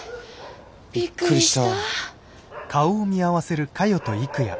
びっくりした。